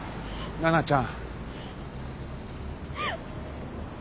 奈々ちゃん。